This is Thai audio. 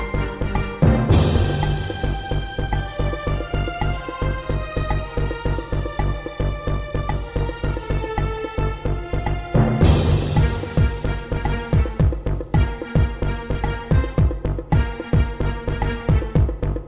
ติดตามต่อไป